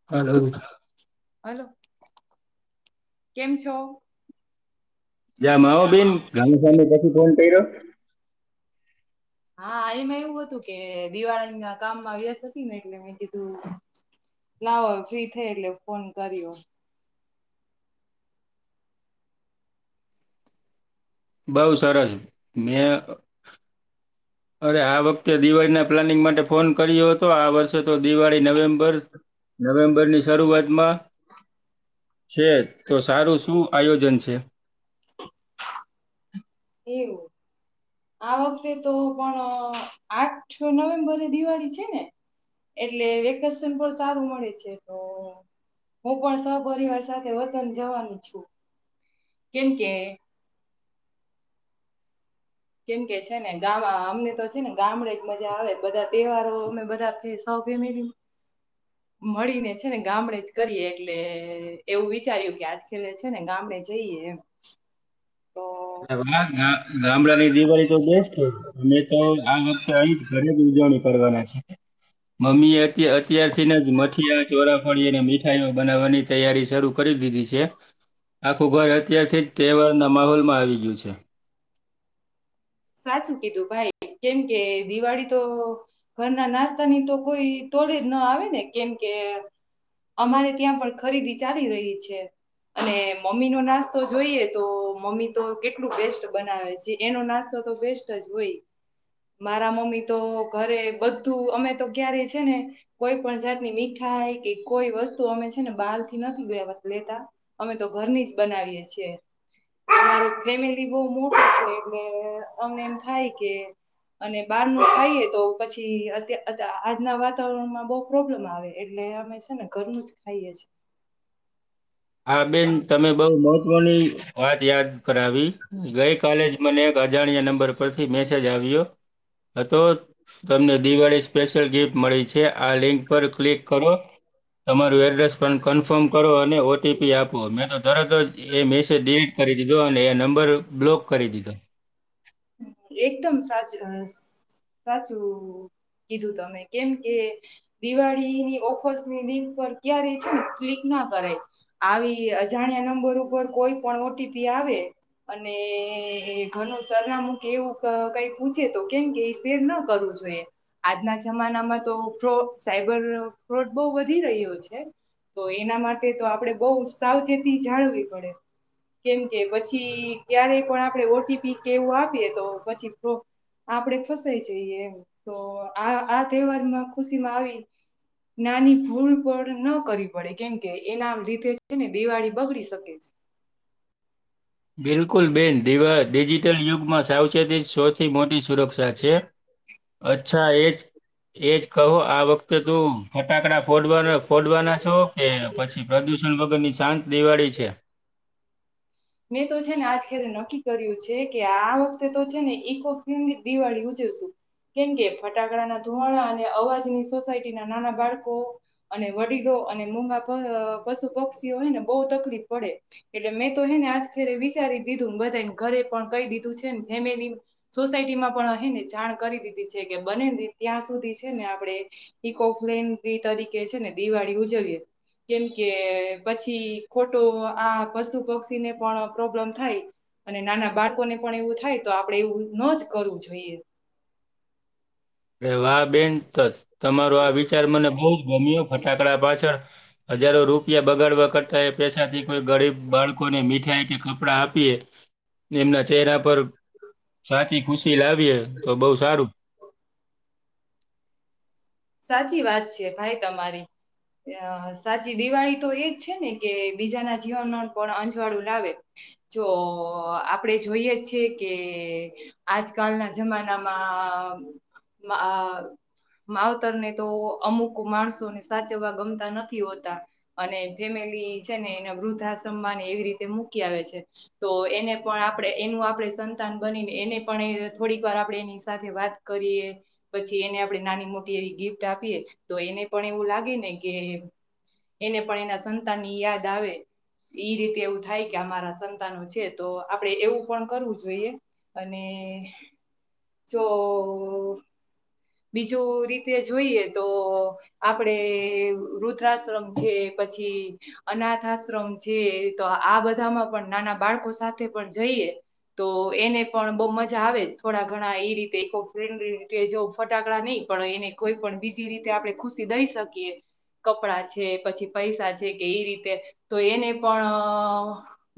હા હલો કેમ છો. યા માવ બેન ગમે સામે પછી ફોન કર્યો હા અહીમાં એવું હતું કે દિવાળી ના કામમાં વ્યસ્ત હતી ને એટલે મે કીધુ લાવો ફ્રી થઈ એટલે ફોન કર્યો બઉ સરસ મેં અરે આ વખતે દિવાળીના પ્લાનિંગ માટે ફોન કર્યો હતો. આ વર્ષે તો દિવાળી નવેમ્બર નવેમ્બર ની શરૂઆતમાં છે તો સારું શું આયોજન છે. એવું આ વખતે તો પણ આઠ નવેમ્બરે દિવાળી છેને એટલે વેકેશન પણ સારું મળે છે. તો હું પણ સપિવાર સાથે વતન જવાનું છુ. કેમકે કેમ કે છે ને ગામ અમને તો છેને. ગામડે જ મજા આવે બધા તહેવારો અમે બધા સે [inaudible] [unintelligible] મળીને છે ને ગામડે જ કરીએ એટલે એવું વિચાર્યું કે આજ ખ છેને. ગામડે જઈએ હ [inaudible] [unintelligible] વા ગામડા ની દિવાળી તો કે અમે તો આ વખતે અહી જ ઘરે જ ઉજવણી કરવાના છે. મમ્મી એ અત્યારથીને જ મઠીિયા ચોરા ફળીને મીઠાઈઓ બનાવવાની તૈયારી શરૂ કરી દીધી છે આખું ઘર અત્યારથી જ તહેવારના માહોલમાં આવીઈ ગયું છે. સાચું કીધું ભાઈ કેમ કે દિવાળી તો ઘરના નાસ્તાની તો કોઈ તોડીે જ ના આવે ને કેમકે અમારે ત્યાં પણ ખરીદી ચાલી રહી છે. અને મમ્મી નો નાસ્તો જોઈએ તો મમ્મી તો કેટલું બેસ્ટ બનાવે છે. એનો નાસ્તો તો તો બેસ્ટ જ હોય મારા મમ્મી તો ઘરે બધું અમે તો ક્યારે છેને કોઈ પણ જાતની મીઠાઈ કે કોઈ વસ્તુ અમે છેને. બહાર થી નથી લે લેતા અમે તો ઘરની જ બનાવીએ છીએ અમારું ફેમિલી બહુ મોટી છે. એટલે અમને એમ થાય કે અને બહારનું ખાઈએ તો પછી અત્યા આજના વાતાવરણમાં બહુ પ્રોબ્લેમ આવે એટલે અમે છેને. ઘરનું જ ખાઈએ છીએ. હા બેન તમે બઉ મહત્વની વાત યાદ કરાવી. ગઈ કાલે જ મને એક અજાણ્યા નંબર પરથી મેસેજ આવ્યો. હ તો તમને દિવાળી સ્પેશિયલ ગિફ્ટ મળી છે. છે આ લિંક પર ક્લિક કરો તમારું એડ્રેસ પણ કન્ફર્મ કરો અને ઓ ઓ ટીપી આપો મેં તો તરત જ એ મેસેજ ડિલીટ કરી દીધો અને એ નંબર બ્લોક કરી દીધો. એકદમ સાચું સાચું કીધું તમે કેમ કે દિવાળીની ઓફર્સની લિંક પર ક્યારે છે ને ક્લિક ના કરાય. આવી અજાણ્યા નંબર ઉપર કોઈ પણ ઓટીપી આવે અને ઘણું સા સરનામુ કે એવું કઈ પૂછે તો કેમ કે એ શેર ના કરવું જોઈએ. આજના જમાનામાં તો ફ્રો સાયબર ફ્રોડ બહુ વધી રહ્યો છે. તો એના માટે તો આપડે બહુ સાવચેતી જાળવી પડે. કેમ કે પછી ક્યારે પણ આપણે ઓટીપી કેવું આપીએ તો પછી પ્રો આપડે ફસાય જઈએમ તો આ આ તહેવાર માં ખુશી માં આવી નાની ભૂલ પણ ન કરવી પડે કેમકે એના લીધે છે ને દિવાળી બગડી શકે છે. બિલકુલ બેન દિવા ડિજિટલ યુગમાં સાવચેતી સૌથી મોટી સુરક્ષા છે. અચ્છા એજ એ જ કહો આ વખતે તું ફટાકડા ફોડવાના ફોડવાના છો એ પછી પ્રદૂષણ વગરની શાંત દિવાળી છે. મેં તો છે ને આજ ખરે નક્કી કર્યું છે કે આ વખતે તો છે ને ઇકો ફ્રેન્ડલી દિવાળી ઉજવશું. કેમ કે ફટાકડા ના ધોવાણા અને અવાજની સોસાયટી ના નાના બાળકો અને વડીલો અને મૂગા પ પશુ અ પક્ષીઓ હોયને બહુ તકલીફ પડે. એટલે મેં તો હે ને આજખરે વિચારી દીધુંને બધાને ઘરે પણ કહી દીધું છે ને ફેમેલી સોસાયટી માં પણ હેને જાણ કરી દીધી છે કે બને ત્યાં સુધી છે ને આપણે ઇકો ફ્રેડલી તરીકે છે ને દિવાળી ઉજવીએ. કેમ કે પછી ખોટો આ પશુ પક્ષીને પણ પણ પ્રોબ્લેમ થાય અને નાના બાળકોને પણ એવું થાય તો આપડે એવું ન જ કરવું જોઈએ. અરે વાહ બેન ત તમારો આ વિચાર મને બહુ ગમ્યો ફટાકડા પાછળ હજારો રૂપિયા બગાડવા કરતા એ પેસાથી કોઈ ગરીબ બાળકોને મીઠાઈ કે કપડા આપીએ. એમના ચહેરા પર સાચી ખુશી લાવીએે તો બહુ સારું. સાચી વાત છે ભાઈ તમારી અ સાચી દિવાળી તો એજ છે ને કે બીજાના જીવનમાં પણ અંજવાળું લાવે. જો આપડે જોઈએ જ છીએ કે આજકાલના જમાનામાં માં માવ તરને તો અમુક માણસોને સાચવવા ગમતા નથી હોતા અને ફેમિલી છે ને એના વૃદ્ધાઆશ્રમ માં ન એવી રીતે મૂકી આવે છે. તો એને પણ આપણે એનું આપણે સંતાન બનીને એને પણ થોડીક વાર આપણે એની સાથે વાત કરીએ પછી એને આપણેે નાની મોટી ગિફ્ટ આપીએ તો એને પણ એવું લાગે ને કે એને પણ એના સંતાન ની યાદ આવે ઈ રીતે એવું થાય કે અમારા સંતાનો છે તો આપડે એવું પણ કરવું જોઈએ. અને જો બીજું રીત તે જોઈએ તો આપડે વુદ્રાશ્રમ છે પછી અનાથ આશ્રમ છે, તો આ બધામાં પણ નાના બાળકો સાથે પણ જઈએ તો એને પણ બઉુ મજા આવે થોડા ઘણા એ રીતે ફન્ જો ફટાકડા નહીં પણ એને કોઈ પણ બીજી રીતે આપડણે ખુશી દઈ શકીએ. કપડા છે, પછી પૈસા છે, કે એ રીતે તો એને પણ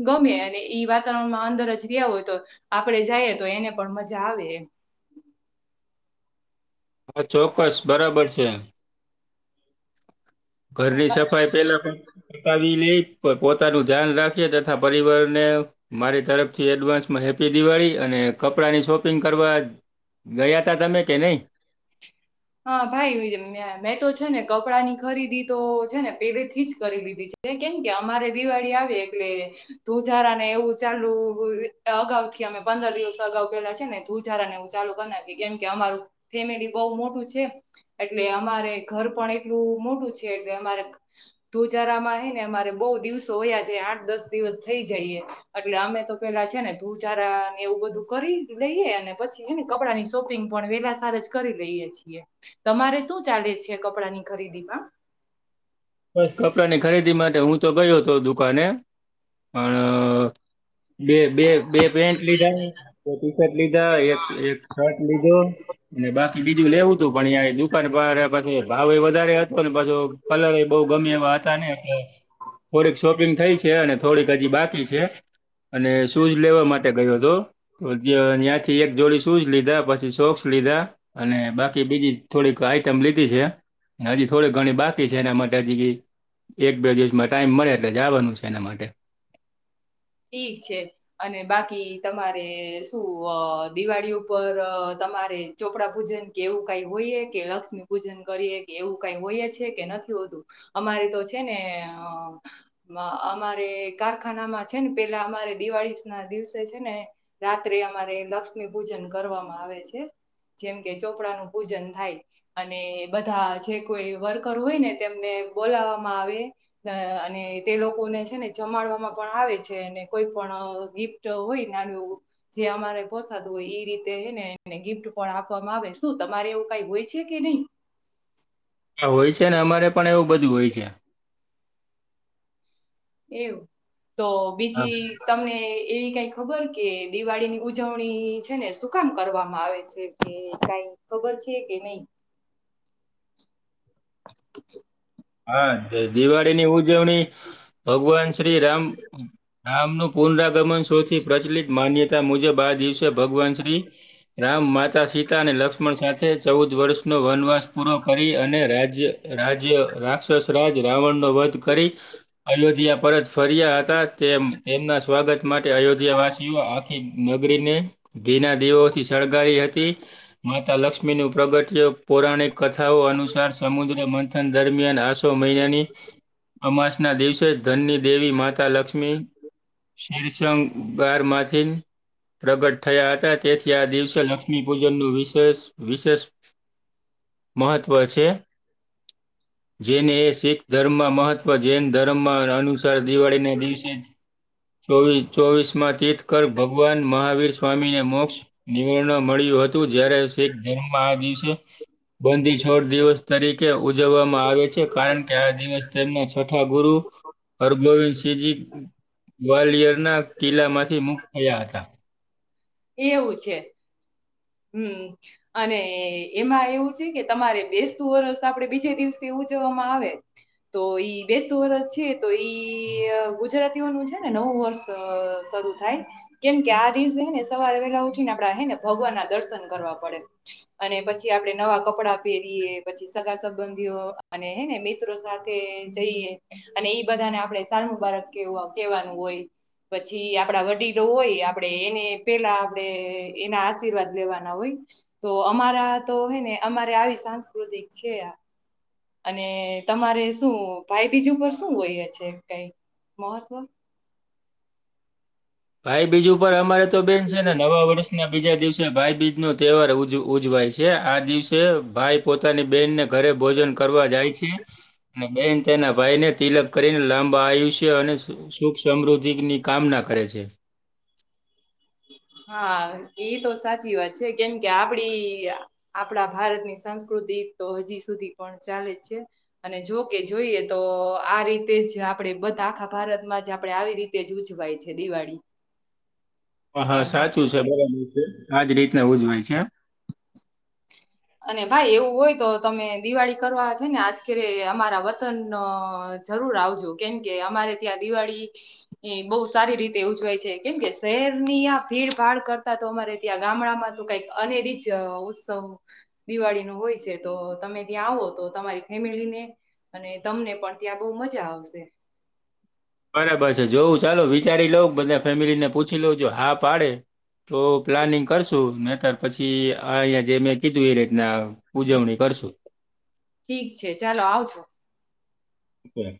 ગમે અને ઈ વાતાવરણમાં અંદર જ રહ્યા હોય તો આપડે જઈએ તો એને પણ મજા આવે એમ હા ચોક્કસ બરાબર છે. ઘરની સફાઈ પેલા પણ પતાવી લઈ પણ પોતાનું ધ્યાન રાખી તથા પરિવારને મારી તરફથી એડવાન્સમાં હેપ્પી દિવાળી અને કપડાંની શોપિંગ કરવા ગયા તા તમે કે નહીં? હા ભાઈ મેં તો છે ને કપડાં ની ખરીદી તો છે ને પેલે થી જ કરી લીધી છે. એ કેમ કે અમારે દિવાળી આવે એટલે ધુજારા ને એવું ચાલુ અગાઉ થી અમે પંદર દિવસ અગાઉ પેલા છે ને ઘુજારા નેવું ચાલુ કરી નાખી કેમ કે અમારું ફેમિલી બહ મોટું છે એટલે અમારે ઘર પણ એટલું મોટું છે, એટલે અમારે ધ્રુજારા માં હ ને અમારે બહુ દિવસો હોયા છે આઠ દસ દિવસ થઈ જઈએ એટલે અમે તો પેલા છે, ને ધૂજારાને એવું બધું કરી લઈએ અને પછી હેને કપડા ની શોપિંગ પણ વેલા સાર જ કરી રહીએ છીએ. તમારે શું ચાલે છે? કપડા ની ખરીદી માં બસ કપડા ની ખરીદી માટે હું તો ગયો હતો દુકાને પણ બે બે બે પેન્ટ લીધા, બે ટી શર્ટ લીધા એક શર્ટ લીધો અને બાકી બીજું લેવું તું પણ એ આ પછી ભાવ વધારે હતો ને પાછો કલર બહુ ગમે એવા હતા ને એટલે થોડીક શોપિંગ થઈ છે, અને થોડીક હજી બાકી છે. અને શૂઝ લેવા માટે ગયો હતો તો ત્યાંથી એક જોડી શું જ લીધા પછી સોક્સ લીધા અને બાકી બીજી થોડીક આઈટમ લીધી છે, હજી થોડીક ઘણી બાકી છે, એના માટે જગી એક બે દિવસમાં ટાઈમ મળે એટલે જવાનું છે એના માટે ઠીક છે. અને બાકી તમારે શું દિવાળી ઉપર તમારે ચોપડા પૂજન કે એવું કઈ હોઈએ કે લક્ષ્મી પૂજન કરીએ કે એવું કઈ હોઈ છે કે નથી હોતું? અમારે તો છે ને અ અમારે કારખાનામાં છે ને પેલા અમારે દિવાળી ના દિવસે છે ને રાત્રે અમારે લક્ષ્મી પૂજન કરવામાં આવે છે. જેમ કે ચોપડા નું પૂજન થાય અને બધા જે કોઈ વર્કર હોય ને તેમને બોલાવામાં આવે અને તે લોકોને છે, ને જમાડવામાં પણ આવે છે કોઈ પણ ગિફ્ટ હોય નાનું એવું જે અમારે પોસાતું હોય એ રીતેને એને ગિફ્ટ પણ આપવામાં આવે શું તમારે એવું કઈ હોય છે કે નહીં? હા હોય છે, ને અમારે પણ એવું બધું હોય છે. એવું તો બીજી તમને એવી કઈ ખબર કે દિવાળી ની ઉજવણી છે ને સુકામ કરવામાં આવે છે? કે કઈ ખબર છે કે નહી? [inaudible] [inaudible] હા દિવાળી ની ઉજવણી ભગવાન શ્રી રામ રામનું પુનરાગમન સૌથી પ્રચલિત માન્યતા મુજબ આ દિવસે ભગવાન શ્રી રામ માતા સીતા અને લક્ષ્મણ સાથે ચૌદ વર્ષનો વનવાસ પૂરો કરી અને રાજ્ય રાજ્ય રાક્ષસ રાજ રાવણ નો વધ કરી અયોધ્યા પરત ફર્યા હતા તેમ તેમના સ્વાગત માટે અયોધ્યા વાસીઓ નગરીને ધીના દેવોથી સળગાઈ હતી માતા લક્ષ્મીનું પ્રગટ્ય પૌરાણિક કથાઓ અનુસાર સમુદ્ર મંથન દરમિયાન આસો મહિનાની અમાસ ના દિવસે જ ધનની દેવી માતા લક્ષ્મી શીર્ષંગ બાર માથી પ્રગટ થયા હતા તેથી આ દિવસે લક્ષ્મી પૂજન નુ વિશેષ વિશેષ મહત્ત્વ છે. જેને એ શીખ ધર્મમાં મહત્વ જૈન ધર્મ અનુસાર દિવાળીના દિવસે ચોવીસ માં તીર્થકર ભગવાન મહાવીર સ્વામીને મોક્ષ નિવરણ મળ્યું હતું જ્યારે શીખ ધર્મ આ દિવસે બંધી છોડ દિવસ તરીકે ઉજવવામાં આવે છે કારણ કે આ દિવસ તેમના છોઠા ગુરુ હરગોવિંદસિંહજી ગ્વાલિયર ના કિલ્લા માંથી મુક્ત થયા હતા એવું છે હમ અને એમાં એવું છે કે તમારે બેસતું વરષ આપડે બીજે દિવસથી ઉજવવામાં આવે તો ઈ બેસ્ટ વર્ષ છે તો ઈ ગુજરાતીઓનું છે ને નવું વર્ષ શરૂ થાય કેમ કે આ દિવસે હેને સવારે વેલા ઉઠી ને આપડા હે ને ભગવાન ના દર્શન કરવા પડે અને પછી આપડે નવા કપડા પહેરીયએ પછી સગા સંબંધીઓ અને હેને મ સાથે જઈએ અને ઈ બધાને આપડ સાાર મુબારક કેવાનું હોય પછી આપડા વડીલો હોય આપડે એને પેલા આપડે એના આશીર્વાદ લેવાના હોય તો અમારા તો હોય ને અમારે આવી સાંસ્કૃતિક છે. અને તમારે શું ભાઈ બીજું પર શું હોય છે કઈ મહત્વ ભાઈબીજ ઉપર અમારે તો બેન છે ને નવા વર્ષના બીજા દિવસે ભાઈબીજ નો તહેવાર ઉજવાય છે. છે આ દિવસે ભાઈ પોતાની બેહેનને ઘરે ભોજન કરવા જાય છે. અને બેન તેના ભાઈને તિલક કરીને લાંબા આયુષ્ય અને સુખ સમૃદ્ધિની કામના કરે છે. હા એ તો સાચી વાત છે કેમ કે આપડી આપણા ભારતની સંસ્કૃતિ તો હજી સુધી પણ ચાલે જ છે. અને જોકે જોઈએ તો આ રીતે જ આપણે બધા આખા ભારતમાં જે આપણે આવી રીતે તે જ ઉજવાય છે દિવાળી હ હા અને સાચું છે બરાબર છે આજ રીતને ઉજવાય છેમ અને ભાઈ એવું હોય તો તમે દિવાળી કરવા છે ને આજખરે અમારા વતન ન જરૂર આવજો કેમ કે અમારે ત્યાં દિવાળી એ બહુ સારી રીતે ઉજવાય છે કેમ કે શહેર ની આ ભીડ ભાડ કરતા તો અમારે ત્યાં ગામડામાં તો કઈક અનેરી જ ઉત્સવ દિવાળી નું હોય છે તો તમે ત્યાં આવો તો તમારી ફેમિલીને અને તમને પણ ત્યાં બહુ મજા આવશે બરાબર છે જોવું ચાલો વિચારી લઉં બધા ફેમિલી ને પૂછી લઉં જો હા પાડે તો પ્લાનિંગ કરશું મેને તાર પછી આ અહીિયાં જે મેં કીધું એ રીતના ઉજવણી કરશું ઠીક છે ચાલો આવશો હમ